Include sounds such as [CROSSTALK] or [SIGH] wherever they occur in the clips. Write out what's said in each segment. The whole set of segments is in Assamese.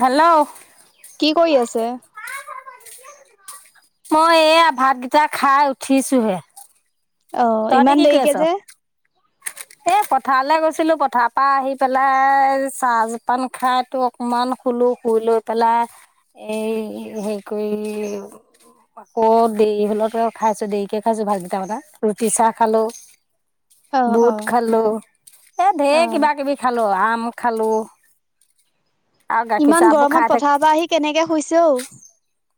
হেল্লো। কি কৰি আছে? মই এইয়া ভাতগেইটা খাই উঠিছোহে- অ তহঁতি ইমান কি কৰি আছ? দেৰিকে যে? [INAUDIBLE] এ পথাৰলৈ গৈছিলো পথাৰ পৰা আহি পেলাই চাহ জপান খাই তো অকমান খ- শুলো, শুই লৈ পেলাই এই সেই কৰিলোঁ। আকৌ দেৰি হলত খাইছো দেৰিকে খাইছো ভালকেইটাাৰ কথা ৰুটি চাহ খালো। অ অ বুট খালো এ অ ঢেৰ কিবা কিবি খালো আম- খালোঁ। ইমান গৰমত পথাৰ পৰা আহি কেনেকে শুইছোও।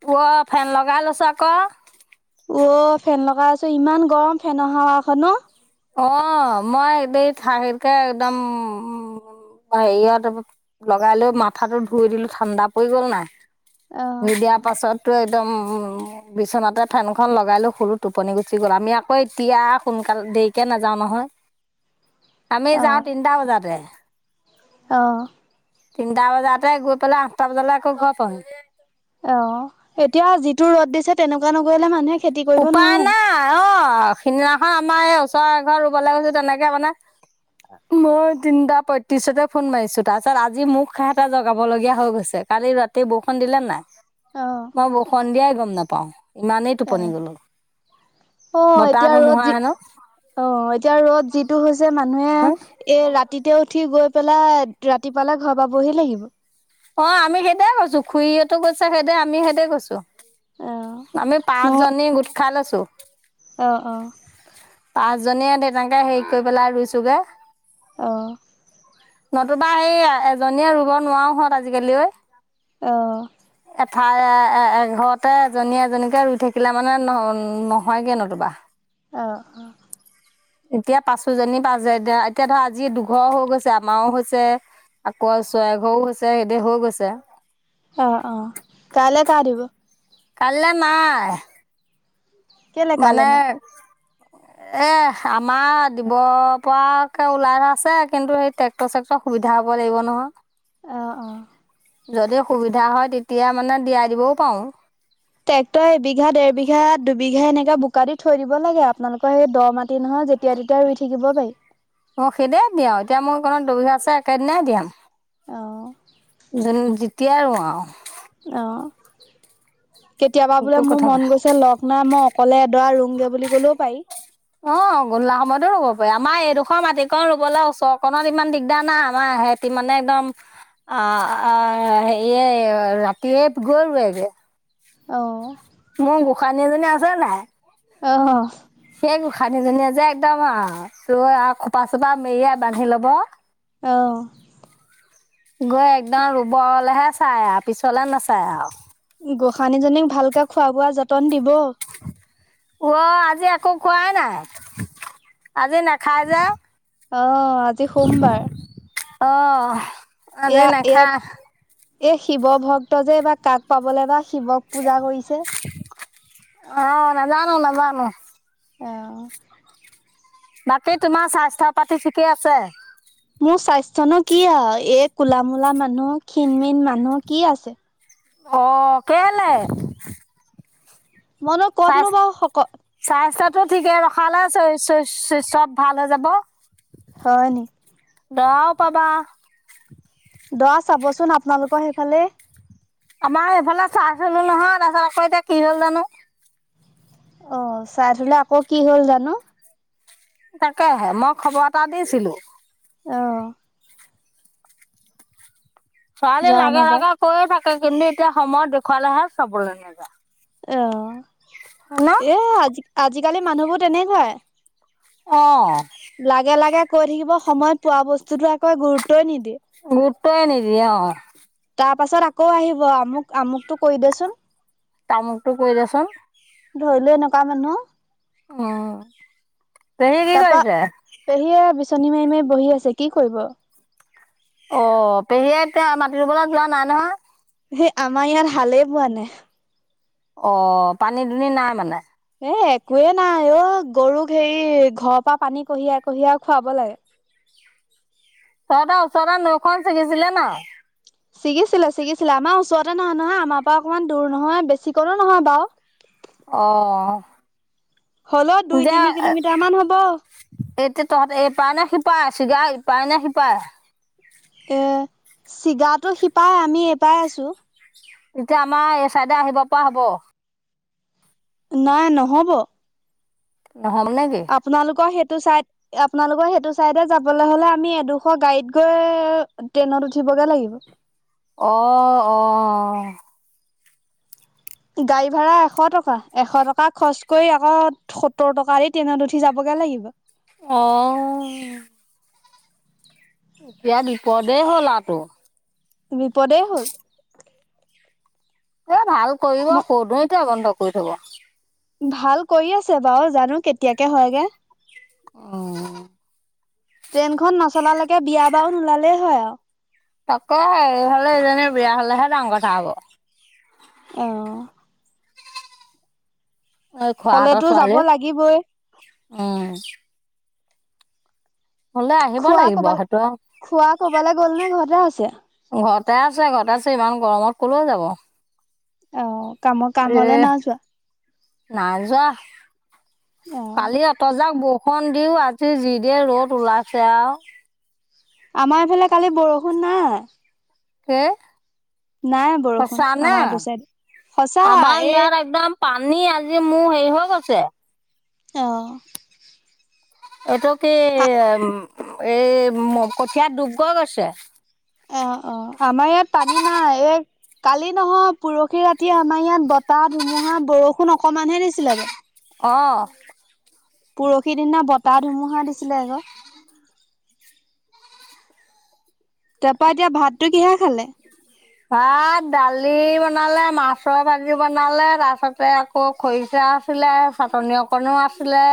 ক ফেন লগালছ আক। অ'মফেন লগাই আছো ইমান গৰম ফেন অহা আখন ন। অ', ই দে থাকতকে একদম উ হেৰিয়াত লগাই লৈ মাথাটো [UNINTELLIGIBLE] অহ নিদিয়াৰ পাছত একদম বিচনাতে ফেনখন লগাই লোঁ সৰু টোপনি গুচি গ'ল আমি আকৌ এতিয়া সোনকালে দে একে নাযাওঁ নহয় আমি যাওঁ তিনিটা বজাতে। আহঁ। তিনিটা বজাতে গৈ পেলাই আঠটা বজালৈ আকৌ ঘৰ পাওঁহি। অ', এতিয়া যিটো ৰ'দ দিছে তেনেকুৱা নগৈলে মানুহে খেতি কৰিব উপায় নোৱাৰে নাই অ',। অ', সিদিনাখন আমাৰ এই ওচৰ ঘৰ ৰুবলৈ গৈছো তেনেকে মানে মই তিনটা পয়ত্ৰিছতে ফোন মাৰিছো তাৰ পিছত আজি মোক সহতে জগাব লগীয়া হৈ গৈছে। কালি ৰাতি বৰষুণ দিলে নাই অ মই বৰষুণ দিয়াই গম নাপাও ইমান টোপনি গ'লো। অ', বতাহ এতিয়া ৰ'দ ধুমুহা যি হেনো অ', এতিয়া ৰ'দ যিটো হৈছে মানুহে হ এ ৰাতিতে উঠি গৈ পেলা ৰাতিপালা ঘৰ পৰা বহি ল আহিব। অ', আমি সেইতেয়াই কৈছো খুৰীতো গৈছে সেইদতে আমি সেইতেয় কৈছো। অহ আমি পাঁচ নহয় জননী গোট খাল আছো। অ', অ',। পাঁচজনীয়ে স তেনেকে হেৰি কৰি পেলাই ৰুইছোগে। আহঁ। নতুবা সেই এজনীয়ে ৰুব নোৱাৰাো হত আজিকালি। আহ। এঠাই এ এঘৰতে এজনী এজনীকে ৰুই থাকিলে মানে নহ নহয়গে নোতোবা। অঁ', অঁ',। এতিয়া পাচোজনী পা যে এতিয়া এতিয়া ধৰ আজি দুঘৰ হৈ গৈছে আমাৰও হৈছে আকৌ চৰা ঘৰও হৈছে সদ হৈ গৈছে। আহ আহ কাইলৈ ক দিব। কাললৈ নাই। কেলে মানে কাইলে নাই? এ আমাৰ দিব পৰাকে ওলাই আছে কিন্তু সেই ট্ৰেক্টৰ চেক্টৰ সুবিধা হ'ব ক লাগিব নহয়। অ', অ',। যদি সুবিধা হয় তেতিয়া মানে দিয়াই দিবও পাৰো। ট্ৰেক্টৰ এবিঘা দেৰবিঘা দুবিঘা এনেকা বু শুকা দি থৈ দিব লাগে আপোনালোকৰ সেই দ মাটি নহয় যেতিয়া তেতিয়া ৰুই থাকিব পাৰি। মই সেইদ দিও এতিয়া মোৰ অণ দুবিঘা আছে একেদিনাই দিয়াম। অ', যেতিয়াই ৰাও। আহ। কেতিয়াবা সেইটো বোলে মোৰ কথা মন নাই গৈছে লগ নাই মই অকলে এডৰা ৰুংগে বুলি কলেও পাৰি। অ', গোলা সময় ৰ'ব আমাৰ এইডোখৰ মাটিিকণ ৰুবলৈ ওচৰ কনত ইমান দিগদাৰ নাই আমাৰ সেহতি মানে একদম অ', আ ৰাতিে গৌ ৰাও গে। অ',। মোৰ গোসাঁনী এজনী আছে নাই? আহ। খানিজনীয়ে যে একদম ত খোপা চোপা মেৰিয়াই বান্ধি লব। আহ। গৈ একদম ৰুবলৈহে চাই আৰু পিছলে নাচায় আৰু গোঁসানীজনীক ভালকে খোৱা বোৱা যতন দিব অ আজি একো খোৱাই নাই আজি নেখাই যে অ আজি সোমবাৰ অঁ আব এয়া এয়া নখা এই শিৱ ভক্ত যে এইব কাক পাবলে বা শিৱক পূজা কৰিছে অ নাজানো নাজানো আহ বাকী তোমাৰ স্বাস্থ্য পাতি ঠিকে আছে োৰ স্বাস্থ্্যনো কি আৰু এই কোলা মলা মানুহ ক্ষীণ মন মানুহ কি আছে অ কেইলেে মনৰ ক'তনোবা শকত টো ঠিকে ৰখালে চব ভাল হৈ যাব হয় নি গও পাবা দহ চাবচোন আপোনালোকৰ সেইফালে আমাৰ এইফালে চাই চলো নহয় তাৰপিছত আকৌ এতিয়া কি হল জানো অ চাই থলে আকৌ কি হল জানো তাকেহে মই খবৰ এটা দিছিলো আহ ছোৱালী জানো লাগা পাই লগাগা কৈে থাকে কিন্তু এতিয়া সময় দেখুৱালেহে সবৰে নেযায় অ এ আজি আজিকালি মানুহবোৰ তেনেকুৱাই অ লাগে লাগে কৈ থাকিব সময়ত পোৱা বস্তুতো আকৌ গুৰুত্বই নিদ উ্তো এন দিয় তাৰ পাছত আকৌ আহিব আমুক আমুকতটো কৈ দেচোন তামুকটো কৰিৈ দেচোন ধৰি লো এনেকুৱা মানুহ উম ত কি কৰিছে শনিীমাৰমে বহি আছে কি কৰিব অ পেহীয়ে এতিয়া মাটি ৰুবা যোৱা নাই নহয় সেই আমাৰ ইয়াৰ ভালেই পোৱা নে অ পানী দুনি নাই মানে এ একোৱে নাই অ গৰুক হেৰি ঘৰৰ পৰা পানী কঢ়িয়াই কঢ়িয়াই খুৱাব লাগে তহতটা ওচৰটা নখন চিগিছিলে ন ছিগিছিলে ছিগিছিলে আমাৰ ওচৰতে নহয় নহয় আমাৰ পৰা অকণমান দূৰ নহয় বেছিকণো নহয় বাৰু অঁ হ'লেও দুই এতিয়া তিনি কিলোমিটাৰ মান হ'ব এতিয়া তহত এইপাৰ নে সিপা আছিলগা শ পায় নে সিপায় তটো শিপাই আমি এপাই আছো এতিয়া আমাৰ এই চাইডে আহিব পৰা হ'ব নাই নহব নহমনেোগ টো চাই আপোনালোকৰ সেইটো চাইডে যাবলৈ হলে আমি এডোখ গাড়ীত গৈ ট্ৰেইনত উঠিব া লাগিব অ অ গাড়ী ভাড়া এশ টকা এশ টকা খৰচ কৰি আকৌ সত্তৰ টকা দি ট্ৰেইনত উঠি যাবগ লগ লাগিব আহ এতিয়া বিপদেই হল আৰু তটো বিপদেই হ'ল এ ভাল কৰিব কনোৱ তো বন্ধ কৰি থব ভাল কৰি আছে বাৰু জানো কেতিয়াকে হয়গে আহ ট্ৰেইনখন নচলালৈকে বিয়া বাহ ওলালেই হয় আৰু আকৌ এই হলে এজনীৰ বিয়া হলেহে ডাঙৰ কথা হব আহ এই খোৱা এটা হলেতো যাব ছোৱালী লাগিবই উম হলে আহিব খোৱা লাগিব কবাল সেইটো ঘৰত খোৱা কবালৈ গ'ল নে ঘৰতে আছে ততে আছে ঘৰত আছে ইমান গৰমত ক'লেও যাব আহ কামৰ কাম হলে না যোৱা না যোৱা অ কালি অঁত যাও বৌ সন্দিও আজি যিদ ৰ'দ ওলাইছে আৰু আমাৰ এইফালে কালি বৰষুণ নাই হ নাই বৰষুণ আমাৰ এইটো চাইড সঁচা আমাৰ এই ইয়াত একদম পানী আজি মোৰ হেৰি হৈ গৈছে আহঁ এইটো কি এই কঠিয়াত ডুবগৈ গৈছে অ অ আমাৰ ইয়াত পানী নাই এই কালি নহয় পৰহি ৰাতিয় আমাৰ ইয়াত বতাহ ধুমুহা বৰষুণ অকমানহে দিছিলে বাৰু অ পৰহিৰ দিনা বতাহ ধুমুহা দিছিলে আকৌ তাৰ পৰাা এতিয়া ভাততটো কিহে খালে ভাত দালি বনালে মাছৰ ভাজি বনালে তাৰ পিছতে আকৌ খৰিছে আছিলে চাটনি অকণও আছিলে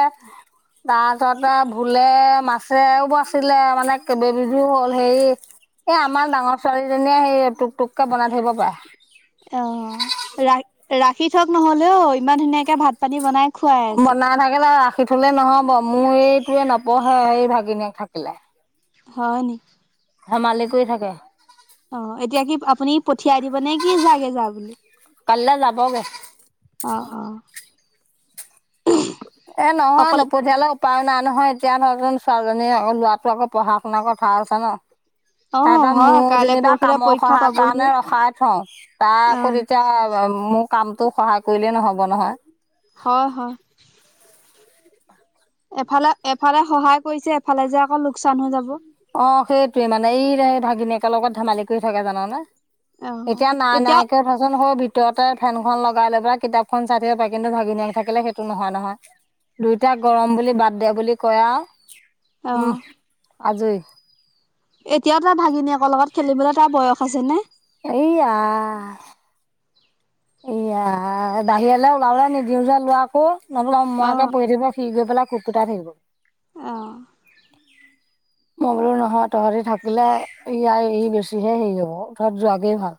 তাৰপিছতে ভোুলে মাছেও বাছিলে মানে কেইব বিধো হল হে এ, আমাৰ ডাঙৰ ছোৱালীজনীয়ে সেই টক, টক কে বনাই থৰিব পাৰে। সিথক নহ'লেও ইমান ধুনীয়াকৈ ভাত, পানী বনাই। খুৱাই আছো। বনাই থাকিলে ৰা সেইটোলে নহয় ব, মোৰ এইটোৱে নপঢ়ে হে ভাগিনক থাকিলে। হয় নি ধেমালি কৰি থাকে। অ, এতিয়া কি আপুনি পঠিয়াই দিব নে কি যাগে যা বুলি। কালিলৈ যাবগে। আহ, আহ। এ, নহয় অকল নপঠিয়ালোও ন। নহয়, এতিয়া নহ, জ, ছোৱালীজনীয়ে আকৌ লৰাটো আকৌ পঢ়া শুনা ক, ভাল আছে ন। অ' সিহতৰ হয় মোৰ কাইলৈ যেনিবা পৰহিলৈ কামৰ পৰীক্ষা সহায় পাবহিয়ে। কাৰণে ৰখাই থওঁ তাৰ আকৌ অ' তেতিয়া মোক কামটো সহায় কৰিলেই নহ'ব নহয়। হয়, হয়। এফালে, এফালে সহায় কৰিছে এফালে যে আকৌ লোকচান হৈ যাব। অ, সেইটয়ে মানে এই ভাগিনী একেল লগত ধেমালি কৰি থাকে জানানে। এতিয়া নাই, নাই, একে থচোন স, ভিত ভিততে ফেনখন লগাই লৈ প, কিতাপখন চাই থাকিব পাৰে, কিন্তু ভাগিনিয় থাকিলে সেইটো নহয়, নহয়। দুইটা গৰম বুলি বাদ দে বুলি কয় আৰু। উম আহ। আজৰি এতিয়াও তাৰ ভাগিনীয়েকৰ লগত খেলিবলৈ তাৰ বয়স আছে নে। এয়া এয়া বাহিৰেলে ওলালে নিদিওঁ যোৱা লোৱা আকৌ। নবোলে মইাকে অ' প, থিব, সি, গৈ পেলাই খুকুটা থ, গল। আহঁ। [INAUDIBLE] মই বোলো নহয় তহঁতি থাকিলে ইয়াই ই, বেছিহে হেৰি হ'ব তহত যোৱাকেই ভাল।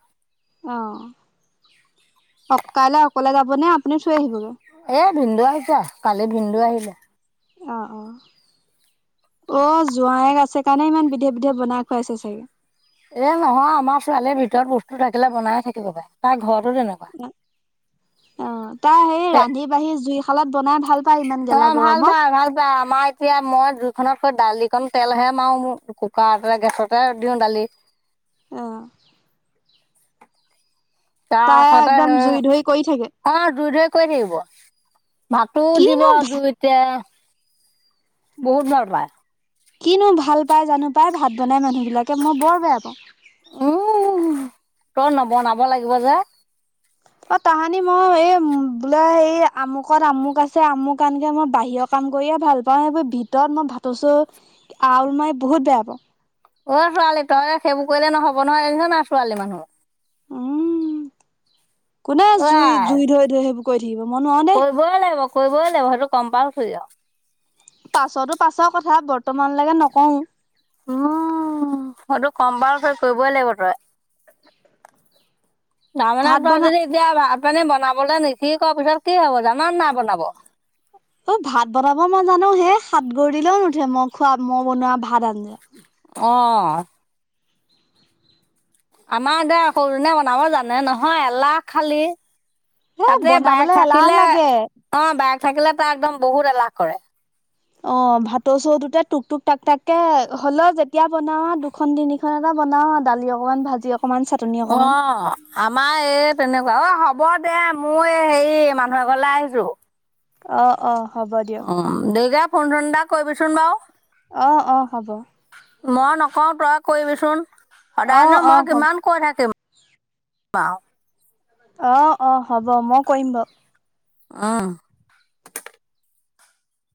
অ, কাইলৈ অকলে যাবনে আপুনি থৈ আহিবগৈ। এ, ভিনন্দু আহিছা কালি ভিনন্দু আহিলে। অ', অ'। অ, জোৱাইক আছে কাৰণে ইমান বিধে, বিধে বনাই খুৱাইছে চাগে। এ, নহয় আমাৰ ছোৱালীৰ ভিতৰত বস্তু থাকিলে বনাই থাকিব পাৰে তাৰ ঘৰত। অ', অ', তাৰ সেই তে ৰান্ধি, বাঢ়ি জুই খালাত বনাই ভাল। পায় ইমান অ, গেলা ভাল পা, গৰমত। ভাল পা আমাৰ এতিয়া মই দুখননৰ দালিকণ তেলহে মাৰো মোৰ কুকাৰতে গেছতে দিওঁ দালি। আহ। তাৰ সতে একদম স, জুই ধৰি কৰি থাকে। অ, দুই, দই কৰি থাকিব। ভাতো দিব কিনো ভা আজ এতিয়া বহুত বাল পায়। কিনো ভাল পাই জানো, পাই ভাত বনাই মানুহ বিলাকে মই বৰ বেয়া পাওঁ। ত, নবনাব লাগিব যে। অ, তাহানি মই এই বোলে এই আমুকত, আমুক আছে, আমুক আনকে মই বাহিৰৰ ক কাম কৰিয়ে ভাল পাও। এইব ভিতৰত মই ভাতছো আৰু মই বহুত বেয়া পাওঁ। অ, ছোৱালী তই সেইবোৰ কৰিলে নহ'ব নহয়। এ, নহয় ন, ছোৱালী মানুহ উম, কোনে অ জুই, আই জুই, ধৈ, ধুই সেইবোৰ। কৰি থাকিব মই নোৱাৰো দেই। কৰিবই লাগিব, কৰিবই লাগিব সেইটো কম পাও ফ পাছতো পাছৰ কথা বৰ্তমানলৈকে নকওঁ। উম, সতো কম বাৰক কৰিবই লাগিব। তই তানে ভাত ত, বনা যদি এতিয়া পনি বনাবলৈ নিঠি ক, পিছত কি হ'ব জানা না বনাব। [INAUDIBLE] ত, ভাত বনাব নাজানো হেই সাতগৰি দিলেও নুঠে মই খোৱা মই বনোৱা ভাত, আঞ্জা। আহ। আমাৰ দে সৰু জনে বনাব জানে নহয়, এলাহ খালি। এ তাতে বনাবলে বায়েক এলাহ থাকিলে লাগে। অ', বায়েক থাকিলে তাৰ একদম বহুত এলাহ কৰে। অ', ভাতৰ চৰুটোতে টুক-টুক টাক-টাককে হ'লেও যেতিয়া বনাও দুখন-তিনিখন এটা বনাও আৰু দালি অকমান ভাজি অ অ', আমাৰ এই তেনেকুৱা। অ', হ'ব দে মই হেৰি মানুহ এঘৰলৈ আহিছোঁ। অ', অ'। হ'ব দিয়ক। উম, দেৰিকে ফোন-চোন এটা কৰিবিচোন বাৰু। অ', অ', হ'ব। মই নকওঁ তই কৰিবিচোন। অ সদায়নো অ মই হ'ব কিমান কৈ থাকিম আও। অ', অ', হ'ব। মই কৰিম বাৰু। অহ।